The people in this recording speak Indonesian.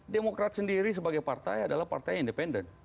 demokrat sendiri sebagai partai adalah partai independen